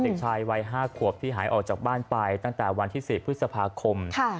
เด็กชายวัย๕ขวบที่หายออกจากบ้านไปตั้งแต่วันที่๔พฤษภาคม